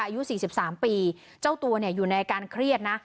อายุ๔๓ปีเจ้าตัวอยู่ในอาการเครียดนะ